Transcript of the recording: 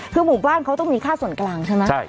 คือหมู่บ้านเขาต้องมีค่าส่วนกลางใช่ไหม